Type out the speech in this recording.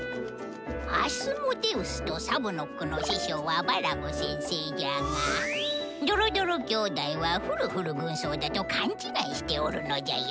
アスモデウスとサブノックの師匠はバラム先生じゃがドロドロ兄弟はフルフル軍曹だと勘違いしておるのじゃよ。